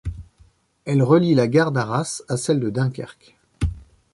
Elle relie la gare d'Arras à celle de Dunkerque.